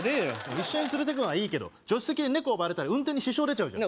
一緒に連れてくのはいいけど助手席に猫運転に支障出ちゃうじゃん